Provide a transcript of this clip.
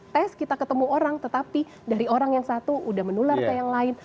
tes kita ketemu orang tetapi dari orang yang satu udah menular ke yang lain